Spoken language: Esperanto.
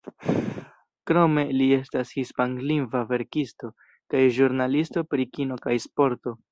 Krome, li estas hispanlingva verkisto, kaj ĵurnalisto pri kino kaj sporto.